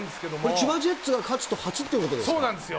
千葉ジェッツが勝つと初ということですか。